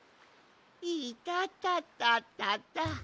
いたたたたた。